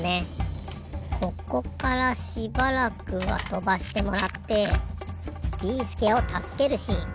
ここからしばらくはとばしてもらってビーすけをたすけるシーン。